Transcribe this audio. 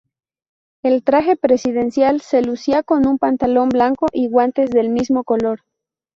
El traje presidencial se lucía con un pantalón blanco y guantes del mismo color.